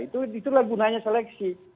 itulah gunanya seleksi